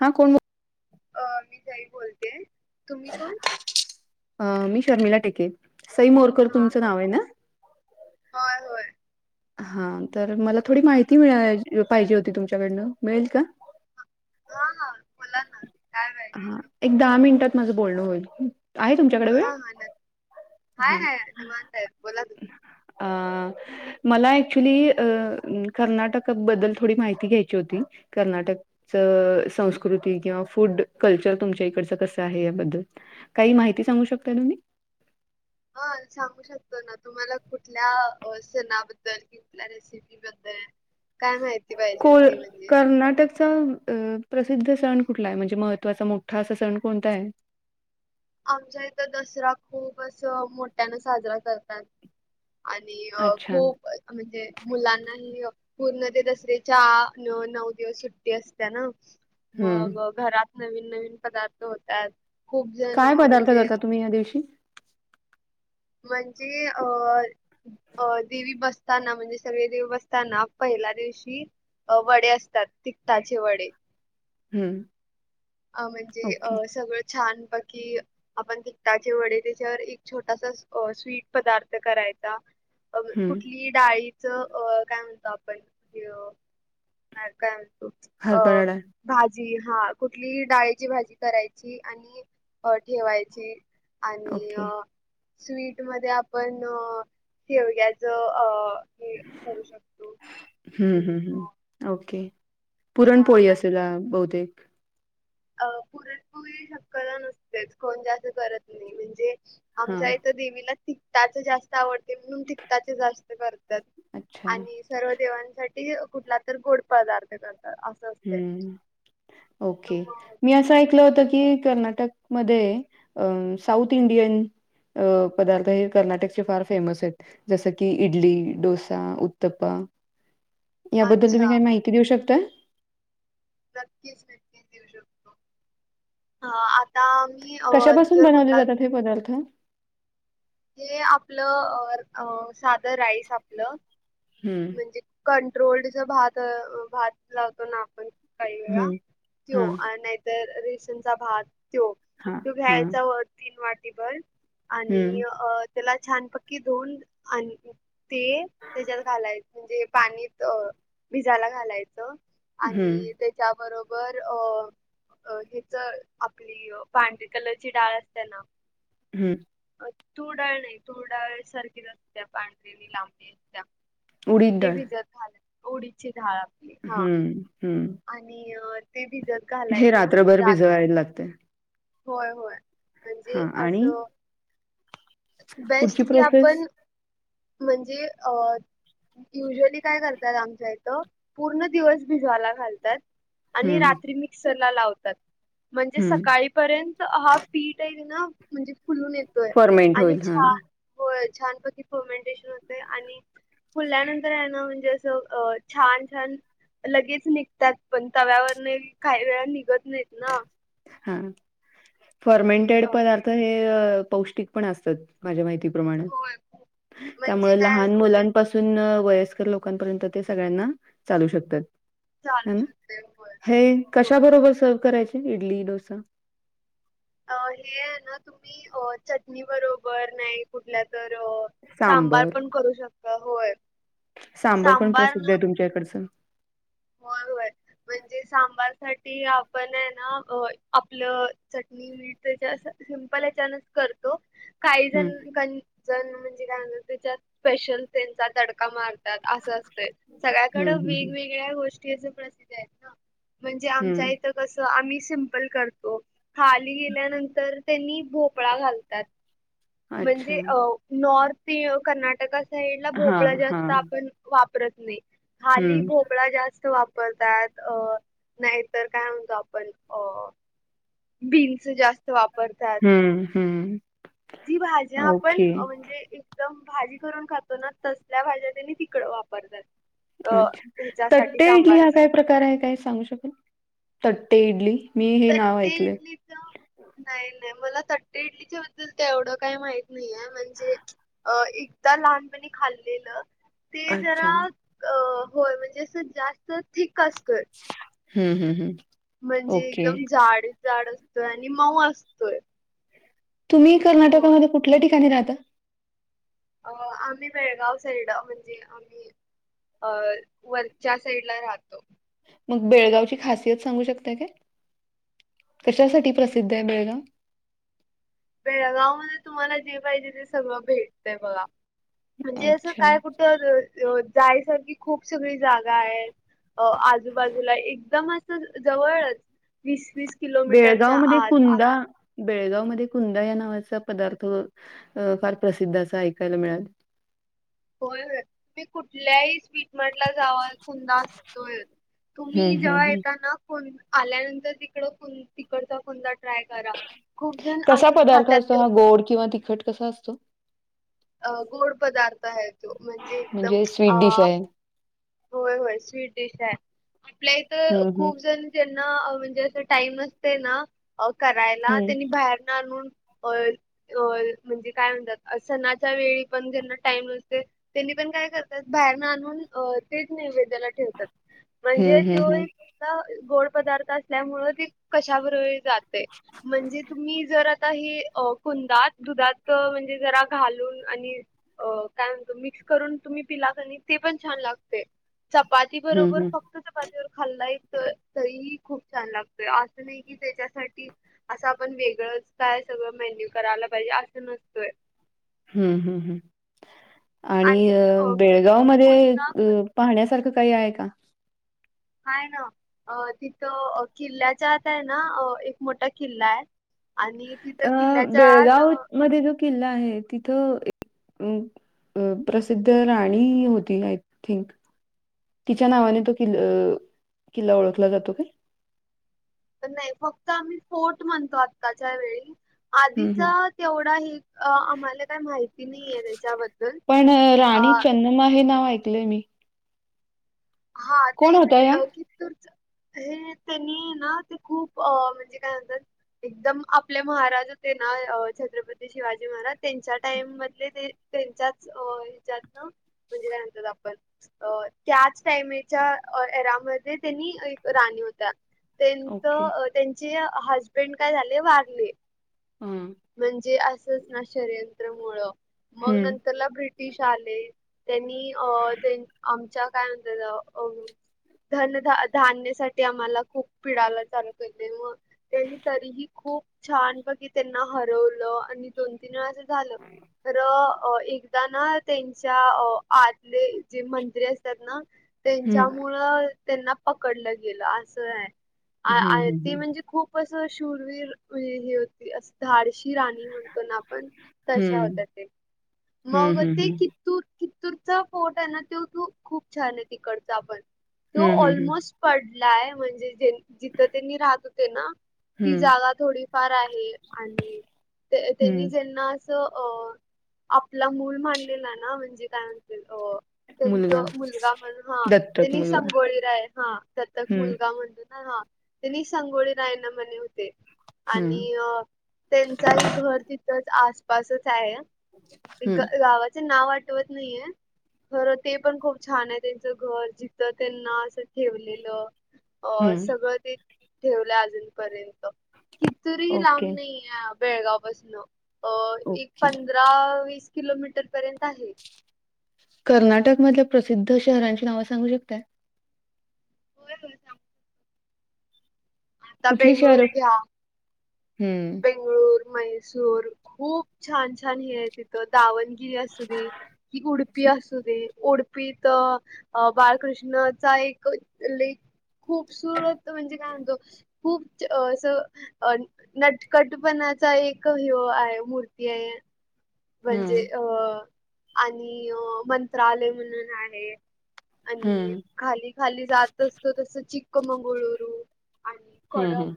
हा कोण अ मी सई बोलते तुम्ही कोण? अ मी शर्मिला टिके सई मोरकर हा तुमचं हा. नाव आहे ना? होय- होय. हा तर मला थोडी माहिती मिळा पाहिजे होती तुमच्याकडनं मिळेल का? हा हा बोला ना काय पाहिजे होतं? एक दहा मिनिटात माझं बोलणं होईल. आहे तुमच्याकडे हा वेळ हा नक्की हाय हा हाय निवांत आहे बोला तुम्ही. अ. मला ऍक्च्युली अ कर्नाटकाबद्दल थोडी माहिती घ्यायची होती कर्नाटक स संस्कृती किंवा फूड कल्चर तुमच्या इकडचं कसं आहे याबद्दल. काही माहिती सांगू शकताय तुम्ही. ह सांगू शकतो ना तुम्हाला कुठल्या सणाबद्दल कुठल्या रेसिप रेसिप बद्दल काय माहिती पाहिजे होती म्हणजे. कर्नाटक च प्रसिद्ध सण कुठला आहे म्हणजे महत्त्वाचा मोठा असा सण कोणता आहे? आमच्या इथं दसरा खूप असं मोठ्यानं साजरा करतात. आणि अच्छा. खूप म्हणजे मुलांनाही पूर्ण ते दसऱ्याच्या नऊ दिवस सुट्टी असते ना? हं. मग घरात नवीन नवीन पदार्थ होतात. खूप जण काय पदार्थ म्हणजे करता तुम्ही या दिवशी? म्हणजे अ- अ देवी बसताना म्हणजे सगळेदेव बसताना पहिल्या दिवशी वडे असतात तिकखटाचे वडे. हम्म. अ म्हणजे अ सगळं छानपैकी आपण तिकिटाचे वडे त्याच्यावर एक स्वीट पदार्थ करायचा. अ हं. कुठली डाळीचं अ काय म्हणतो आपण काय म्हणतो अ हरभरा डाळ. भाजी हा कुठली ही डाळीची भाजी करायची आणि अ ठेवायची आणि ओके. अ स्वीट मध्ये आपण शेवग्याच अ करू शकतो हम्म- हम्म- हम्म ओके हा पुरणपोळी आणि असेल अ बहुतेक. अ पुरणपोळी शक्यता नसतेच कोण जास करत नाही म्हणजे आमच्या हां. इथ देवीला टिकताचं जास्त आवडते म्हणून तिकताच जास्त करतात अच्छा. आणि सर्व देवांसाठी कुठला तर गोड पदार्थ करतात अस. हम्म ओके. मग मी असं ऐकलं होत की कर्नाटकमध्ये साऊथ इंडियन अ पदार्थ हे कर्नाटकचे फार फेमस आहेत. जसं की इडली, डोसा, उत्तप्प. याबद्दल तुम्ही अच्छा काही माहिती देऊ शकता? नक्कीच -नक्कीच देऊ शकतो आता मी कशापासून जर बनवले कुठला जातात हे पदार्थ. हे आपल अ साध राईस आपलं हं. म्हणजे कंट्रोल्डच भात- भात लावतो ना आपण काही वेळा हं. त्यो हां, नाहीतर रेशनचा भात त्यो हां, तो हां. घ्यायचा व तीन वाटीभर हं. आणि अ त्याला छानपक्की धुऊन ते त्याच्यात घालायच म्हणजे पाणीत भिजायला घालायचं. हं, आणि त्याच्याबरोबर अ हेच आपली पांढरी कलरची डाळ असते ना हम्म. तुरडाळ नाही, तुरडाळसारखी असत्या पांढरीली लांबीच्या उडीद ती डाळ. भिजत घालं उडीदची डाळ हा हम्म हम्म. आणि ती भिजत घाल हे रात्रभर भिजवायला लागतय. होय होय म्हणजे हां आणि असं पुढची बेस्ट की प्रोसेस? आपण म्हणजे अं युजव्हली काय करतात आमच्या इथं, पूर्ण दिवस भिजवायला घालतात. आणि हं, रात्री मिक्सरला लावतात म्हणजे हं. सकाळी पर्यंत हा पीठ आहे ना म्हणजे फुलून येतोय फर्मेंट आणि होईल. हां, छान होय, छानपैकी पर्मेंटेशन होते आणि फुल्यानंतर आहे ना म्हणजे असं अ छान छान लगेच निघतात पण, तव्यावरले काही वेळा निघत नाहीत ना. हा म्हणजे फर्मेंटेड अ, पदार्थ हे पौष्टिक पण असतात. माझ्या माहितीप्रमाणे होय म्हणजे त्यामुळे काय लहान होते मुलांपासून वयस्कर लोकांपर्यंत ते सगळ्यांना चालू शकतात. हे चालू ना, शकते होय हे कशा होय. बरोबर सर्व्ह करायच? इडली, डोसा. अ हे ना तुम्ही चटणी बरोबर, नाही कुठल्या तर सांबार सांबर. पण करू शकता. होय, सांबार ना आमच्या इकडचे होय होय म्हणजे सांबार साठी आपण हे ना अ आपलं चटणी मी तर सिंपल हच्यानच करतो. काही हं, जण जण म्हणजे काय त्याच्यात स्पेशल त्यांचा तडका मारतात असं असतय. सगळ्याकड हं, हं, हं. वेगवेगळ्या गोष्टी असं प्रसिद्ध आहेत ना म्हणजे आमच्या हं. इथं कसं आम्ही सिंपल करतो. खाली गेल्यानंतर त्यांनी भोपळा घालतात अच्छा. म्हणजे अ नॉर्थ, कर्नाटका साईड ला हां, भोपळा हां. जास्त आपण वापरत नाही. हं. खाली भोपळा जास्त वापरतात अ नाहीतर काय म्हणतो आपण अ बीन्स जास्त वापरतात. हम्म हम्म. जी भाज्या आपण ओके. म्हणजे एकदम भाजी करून खातो ना, तसल्या भाज्या त्यांनी तिकड वापरतात. अ अच्छा, ह्याच्यासाठी तट्टे इडली हा सांबारासाठी काय प्रकार आहे, काय सांगू शकेलं? तट्टे इडली मी हे नाव तट्टे ऐकलय इडलीच नाही नाही, मला तट्टे इडलीच्या बद्दल तेवढं काही माहीत नाहीये म्हणजे अ एकदा लहानपणी खाल्लेलं ते जरा अच्छा. अ होय म्हणजे असं जास्त थिक असतोय. हम्म, हम्म, हम्म. एकदम जाड, जाड असतोय आणि मऊ असतोय तुम्ही होय कर्नाटकामध्ये कुटल्या ठिकाणी राहता? अ आम्ही बेळगाव साईड म्हणजे आम्ही अ वरच्या साईड ला राहतो मग बेळगाव ची खासियत सांगू शकता का कशासाठी प्रसिद्ध आहे बेळगाव? बेळगाव मध्ये तुम्हाला जे पाहिजे ते सगळं भेटतय बघा म्हणजे असं अच्छा. काय कुठं जायसारखी खूप सगळी जागा आहे अ आजूबाजूला एकदम असं जवळच वीस, वीस किलोमीटरच्या आत बेळगाव मध्ये कुंदा या नावाचा पदार्थ फार प्रसिद्ध असा ऐकायला मिळाल होय, होय ते कुठल्याही स्वीट म्हटला जावा कुंदा असतोयच हं, तुम्ही हं, जेव्हा हं. येताना कोण आल्यानंतर तिकड तिकडचा कुंदा ट्राय करा खूप जण कसा असंच पदार्थ खातात असतो ते हा? गोड किंवा तिखट कसा असतो अ गोड पदार्थ आहे तो म्हणजे एकदम अ स्वीट डिश आहे. होय, होय स्वीट डिश आहे आपल्या इथ हं, हं, खूप जण ज्यांना म्हणजे अस टाइम नसतोय ना करायला हं. त्यांनी बाहेर आणून अ अ म्हणजे काय म्हणतात सणाच्या वेळी पण ज्यांना टाइम नसतय त्यांनी पण काय करतात बाहेर न आणून तेच नैवेद्याला ठेवतात म्हणजे हं, हं, तो हं. एक इथला गोड पदार्थ असल्यामुळे त कशा बरोबर ही जातय म्हणजे तुम्ही जर आता ही कुंदा दुधात जरा घालू दूध आणि काय म्हणत मिक्स करून तुम्ही पिला कणी ते पण छान लागतय चपाती हं, बरोबर हं. फक चपाती बरोबर खाल्लाय तर तरीही खूप छान लागतय असं नाही की त्याच्यासाठी असं आपण वेगळंच काय सगळं मेन्यू करायला पाहिजे असं नसतोय हम ह, ह आणि अ बेळगाव मध्ये पुन्हा पाहण्यासारखं काही आहे का? हाय ना तिथं किल्ल्याच्या आत आहे ना एक मोठा किल्ला आहे आणि तिथं अ किल्ल्याच्या आत बेळगाव मध्ये जो किल्ला आहे तिथं अ प्रसिद्ध राणी होती ना आय थिंक तिच्या नावाने तो किल्ला ओळखला जातो काय? नाही फक्त आम्ही फोर्ट म्हणतो आत्ता च्या वेळी हं, हं. आधीचा तेवढा हे आम्हाला काही माहिती नाही आहे त्याच्याबद्दल पण अ राणी चन्नम्मा हे नाव ऐकलंय मी हा ते कोण होत्या या? कितूर हे त्यांनी ना ते खूप म्हणजे काय म्हणतात एकदम आपले महाराज होते ना छत्रपती शिवाजी महाराज त्यांच्या टाइम मधले ते त्यांच्याच ह्याच्यात ना म्हणजे काय म्हणतात आपण त्याच टाईमच्या एरामध्ये त्यांनी एक राणी होत्या ओके. त्यांच त्यांचे हजबेंड काय झाले वारले हम म्हणजे असच ना षडयंत्र मुळ मग हं, नंतरला ब्रिटिश आले त्यांनी अ त्यां आमच्या काय म्हणत अ धनध धान्यसाठी आम्हाला खूप पिडाला चालू केलतेत मग त्यांनी तरीही खूप छान बघित त्यांनी हरवल आणि दोन तीन वेळाच झालं तर एकदा ना त्यांच्या आतले जे मंत्री असतात ना हं. त्यांच्यामुळ त्यांना पकडलं गेलं असं हं, आहे हं, ते हं. म्हणजे खूप शूरवीर हे होती अस धाडशी राणी म्हणतो ना आपण तशा हं. होत्या ते हं, मग हं, ते हं. कित्तूरचा फोर्ट आहे ना तो त खूप छान आहे, तिकडचा आपण तो हं, हं, हं. ऑलमोस्ट पडलाय म्हणजे ज जिथं त्यांनी राहत होते ना ती हं, जागा थोडीफार आहे. आणि हं. त्यांनी आपला मूल माडलेला ना म्हणजे काय म्हण त्यांच मुलगा म्हण हा दत्तक त्यांनी मुलगा. संगोळी रा आहे दतक हं, मुलगा म्हणत ह हा त्यांनी संगोळी रायणं म्हणे होते हं. आणि त्यांचाही घर तिथंच आसपासच आहे हं, गावाचे नाव वाट आठवत नाहीये खरं ते पण खूप छान आहे त्यांचं घर जिथं त्यांना असं ठेवलेलं अ हं. सगळं ते ठेवलं अजूनपर्यंत कितीतरीही लांब ओके. नाही. बेळगाव पासून एक ओके. पंधरा वीस किलोमीटर पर्यंत आहे. कर्नाटक मधल्या प्रसिद्ध शहरांची नावं सांगू शकताय? होय हो सांगतो कुठली शहर हम्म बेंगलोर, मैसूर खूप छान छान हे तिथ द गिरी अस दे कि उडपी अस दे उडपी मित बाळकृष्णाचा एक लेख खूप सुरत म्हणजे काय म्हणतो खूप असं अ नटखटपणाचा एक ह आहे मूर्ती आहे. हं, म्हणजे अ आणि मंत्रालय म्हणून आहे. आणि हं, खाली खाली जात असत तस चिक्कमंगळुरू आणि हं, कोडव हं.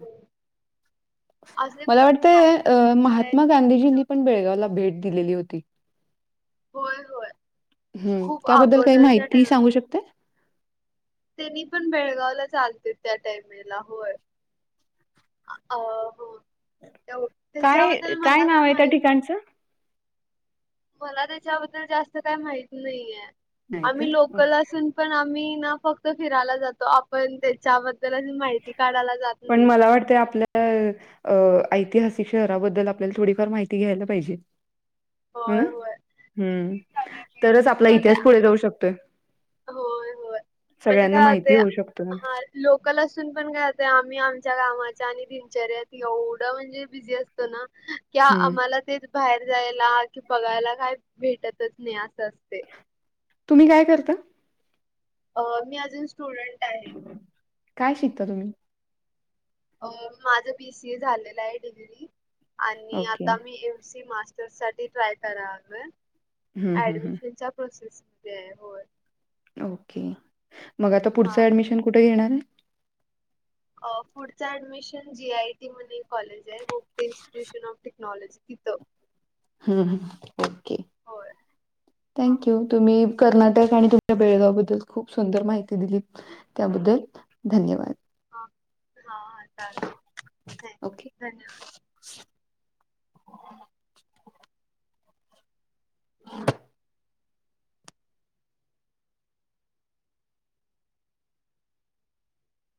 असे मला वाटतंय आहेत. महात्मा गांधीजींनी पण बेळगावला भेट दिलेली होती. होय हो, य खूप अगोदरच्या टाम होऊ शकते त्यांनी पण बेळगावला आलते त्या टाइमिगला होय अ हो त्या काय काय नाव आहे त्या ठिकाणचं मला त्याच्याबद्दल जास्त काही माहत नाहीये नाही का? आम्ही लोकल ओके. असून पण आम्ही ना फक्त फिरायला जातो आपण त्याच्या पण मला वाटत आपल्या अ ऐतिहासिक शहराबद्दल आपल्याला थोडी फार माहिती घ्यायला पाहिजे. ह ना होय होय हम्म नक्कीच झालं पाहिजे. तरच आपला तसं इतिहास होतंय, पुढे जाऊ शकतोय होय होय म्हणजे सगळ्यांना काय होते माहिती शकतो हा लोकल असून पण काय आम्ही आमच्या कामाच्या आणि दिनचऱ्यात एवढं म्हणजे बिझी अस ो ना कि हं. आम्हाला तेच बाहेर जायला आणि बघायला काय भेटतच नाही असं असत तुम्ही काय करता अं मी अजुन स्टुडंट आहे काय शिकता तुम्ही अं माझ बीसी ए झालेल आहे डिग्री आणि ओके. आता मी एम सी मास सा ट्राय करालोय हं, हं, ऍडमिशनच्या प्रोसेस मध्ये आहे होय ओके मग आता पुढच हा ऍडमिशन कुठे घेणार आहे पुढच ऍडमिशन जी आयटी मध्ये कॉलेज आहे गोपे इन्स्टिट्युशन ऑफ टेक्नॉलॉजी तिथ हं ओके होय हा थँक्यु हा तुम्ही कर्नाटक आणि तुमच्या बेळगाव बद्दल खुप सुंदर माहिती दिली त्याबद्दल धन्यवाद हां हां चालते ओके. धन्यवाद हम [inaudible]